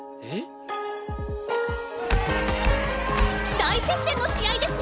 大接戦の試合ですね！